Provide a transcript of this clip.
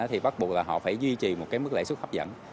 thì bắt buộc là họ phải duy trì một cái mức lãi suất hấp dẫn